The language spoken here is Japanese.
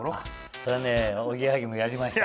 それはおぎやはぎもやりました。